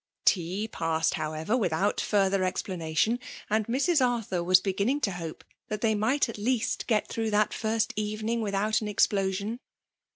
Tea passed, however, without further expla nation; and Mrs. Arthur was beginning to hope that they might at least get through F£MALK DOB^INATION. 245 that first evening without aq explosion.